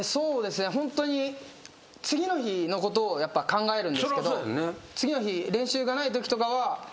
ホントに次の日のことをやっぱ考えるんですけど次の日。